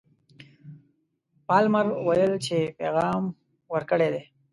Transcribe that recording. پالمر ویل چې پیغام ورکړی دی.